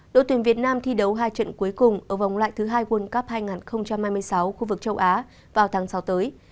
đội tuyển việt nam thi đấu hai trận cuối cùng ở vòng loại thứ hai world cup hai nghìn hai mươi sáu khu vực châu á vào tháng sáu tới